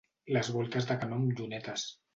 Les voltes de canó amb llunetes.